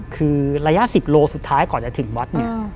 คือระยะ๑๐โลกรัมสุดท้ายก่อนจะถึงวัด